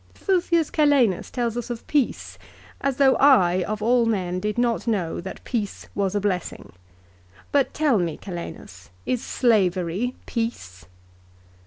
" Fufius Calenus tells us of peace ; as though I of all men did not know that peace was a blessing. But tell me, Calenus, is slavery peace